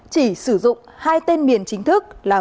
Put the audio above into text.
chỉ sử dụng hai tên miền chính thức là